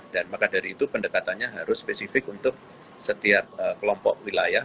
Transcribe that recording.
dan maka dari itu pendekatannya harus spesifik untuk setiap kelompok wilayah